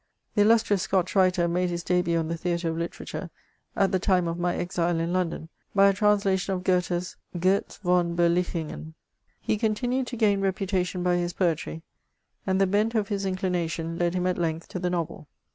The illustrious Scotch writer made his debut on the theatre of literature at the time of my exile in London, by a translation of Goethe's Crotz von Berlichingen, He contmued to gain reputation by his poetry, and the bent of hb inclination led him at lengtn to the novel.